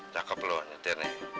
cakep loh nyetirnya